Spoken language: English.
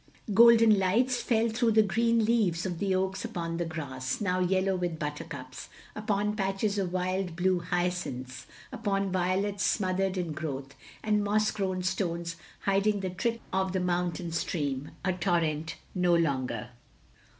Golden lights fell through the green leaves 376 THE LONELY LADY 377 of the oaks upon the grass, now yellow with buttercups; upon patches of wild blue hyacinths, upon violets smothered in growth, and moss grown stones hiding the trickle of the motmtain stream, — a, torrent no longer.